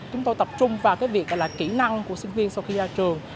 chúng tôi tập trung vào cái việc là kỹ năng của sinh viên sau khi ra trường